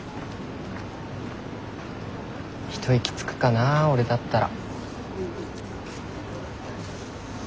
一息つくかな俺だったら。